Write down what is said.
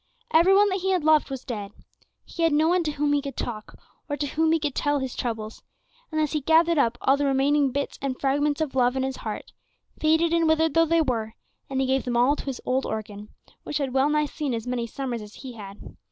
Every one that he had loved was dead; he had no one to whom he could talk, or to whom he could tell his troubles, and thus he gathered up all the remaining bits and fragments of love in his old heart, faded and withered though they were, and he gave them all to his old organ, which had well nigh seen as many summers as he had.